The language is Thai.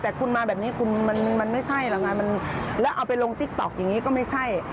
แต่คุณมาแบบนี้คุณมันไม่ใช่แล้วไงแล้วเอาไปลงติ๊กต๊อกอย่างนี้ก็ไม่ใช่